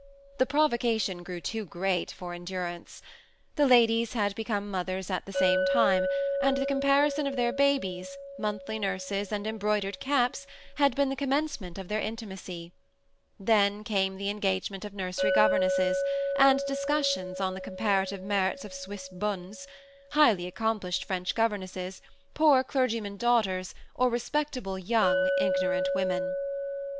The provocation grew too great for endurance. The ladies had beco*ne mothers at the same time, and the comparison of their babies, monthly nurses, and embroidered caps, had been the commencement of their intimacy ; then came the en gagement of nursery governesses, and discussions on the comparative merits of Swiss bonnes, highly accom plished French governesses, poor clergymen's daugh ters, or respectable young, ignorant women.